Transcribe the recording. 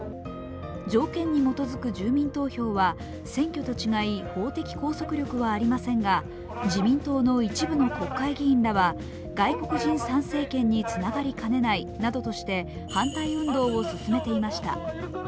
条件に基づく住民投票は選挙と違い、法的拘束力はありませんが、自民党の一部の国会議員らは外国人参政権につながりかねないなどとして、反対運動を進めていました。